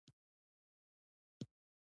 دا عربستان ته زما د سفر نچوړ و.